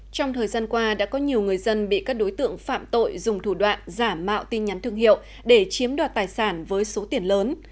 trong thời gian qua đã có nhiều người dân bị các đối tượng phạm tội dùng thủ đoạn giả mạo tin nhắn thương hiệu để chiếm đoạt tài sản với số tiền lớn